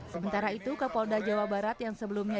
sementara itu kapolda jawa barat yang sebelumnya